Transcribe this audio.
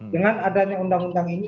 dengan adanya undang undang ini